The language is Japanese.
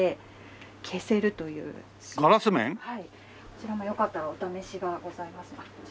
こちらもよかったらお試しがございます。